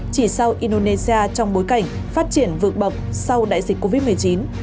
chỉ sau indonesia trong bối cảnh phát triển vượt bậc sau đại dịch covid một mươi chín